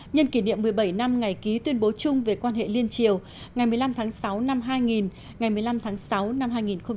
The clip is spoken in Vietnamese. nhân kỷ niệm một mươi bảy năm ngày ký tuyên bố chung về quan hệ liên triều ngày một mươi năm tháng sáu năm hai nghìn ngày một mươi năm tháng sáu năm hai nghìn hai mươi